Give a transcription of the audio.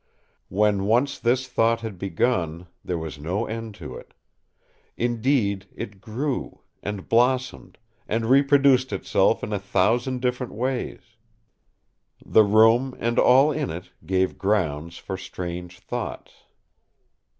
When once this thought had begun there was no end to it. Indeed it grew, and blossomed, and reproduced itself in a thousand different ways. The room and all in it gave grounds for strange thoughts.